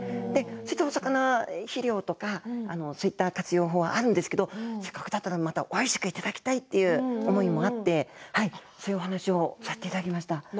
そういったお魚は肥料とかそういった活用法があるんですけれどもせっかくだったらおいしくいただきたいという思いもあってそういう話をさせていただきました。